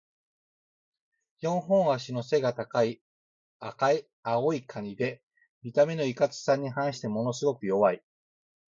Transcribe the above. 四本脚の背が高い青いカニで、見た目のいかつさに反してものすごく弱い。